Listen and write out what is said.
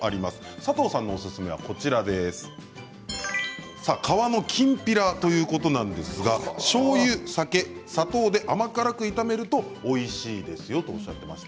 佐藤さんのおすすめが皮のきんぴらということなんですがしょうゆ、酒、砂糖で甘辛く炒めるとおいしいですよとおっしゃっていました。